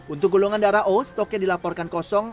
untuk golongan darah o stoknya dilaporkan kosong